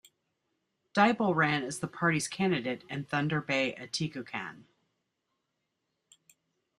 Deibel ran as the party's candidate in Thunder Bay-Atikokan.